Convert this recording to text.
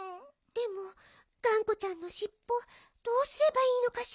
でもがんこちゃんのしっぽどうすればいいのかしら？